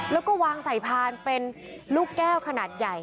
แล้วก็วางใส่พานเป็นลูกแก้วขนาดใหญ่